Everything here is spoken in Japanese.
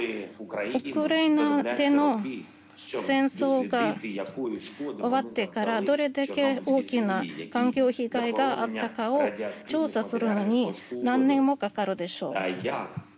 ウクライナでの戦争が終わってからどれだけ大きな環境被害があったかを調査するのに何年もかかるでしょう。